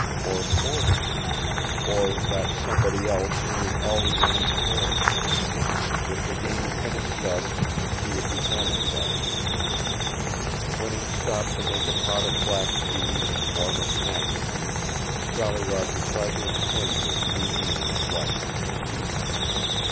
Or Porter. Or that Somebody Else who was always on his trail. If the game finished thus, he would be satisfied. When he stopped to make a pot of black tea and warm a snack to eat Jolly Roger tried to explain this new meaning of life to Peter.